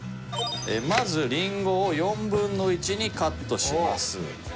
まずリンゴを４分の１にカットします。